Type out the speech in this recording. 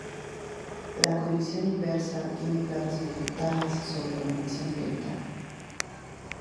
La conexión inversa tiene claras ventajas sobre la conexión directa.